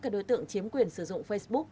các đối tượng chiếm quyền sử dụng facebook